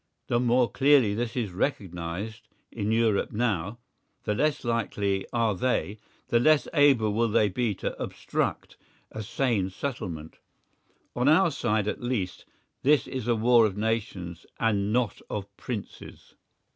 The more clearly this is recognised in Europe now, the less likely are they, the less able will they be to obstruct a sane settlement. On our side, at least, this is a war of nations and not of princes.